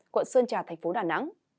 quận sơn trà thành phố đà nẵng